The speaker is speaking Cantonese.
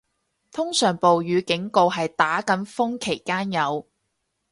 通常暴雨警告係打緊風期間有